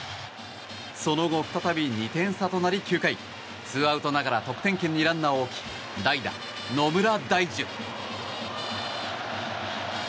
その後、再び２点差となり９回ツーアウトながら得点圏にランナーを置き代打、野村大樹。